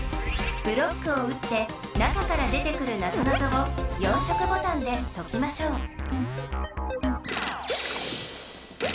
ブロックをうって中から出てくるなぞなぞを４色ボタンでときましょう